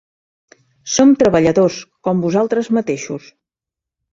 Som treballadors, com vosaltres mateixos.